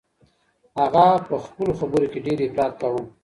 هغه په خپلو خبرو کي ډیر افراط کاوه.